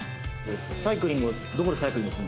サイクリングどこでサイクリングするの？